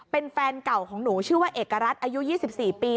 เป็นแฟนเก่าของหนูชื่อว่าเอกรัฐอายุ๒๔ปี